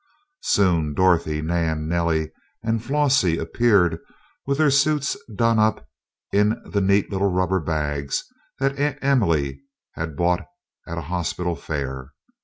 Soon Dorothy, Nan, Nellie, and Flossie appeared with their suits done up in the neat little rubber bags that Aunt Emily had bought at a hospital fair.